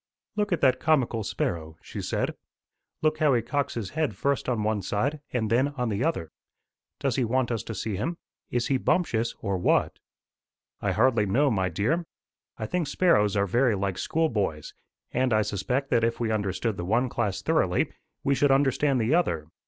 "Look at that comical sparrow," she said. "Look how he cocks his head first on one side and then on the other. Does he want us to see him? Is he bumptious, or what?" "I hardly know, my dear. I think sparrows are very like schoolboys; and I suspect that if we understood the one class thoroughly, we should understand the other.